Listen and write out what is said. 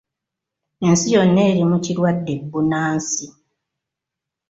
Ensi yonna eri mu kirwadde bbunansi.